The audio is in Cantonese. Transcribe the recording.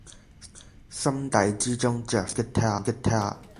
心底之中著實感激他